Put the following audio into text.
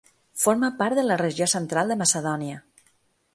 Forma part de la regió central de Macedònia.